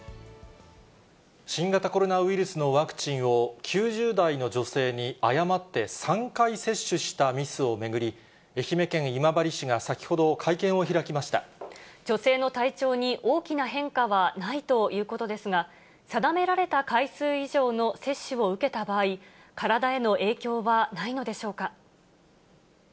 新型コロナウイルスのワクチンを９０代の女性に誤って３回接種したミスを巡り、愛媛県今治市女性の体調に大きな変化はないということですが、定められた回数以上の接種を受けた場合、体への影響はないのでしょうか。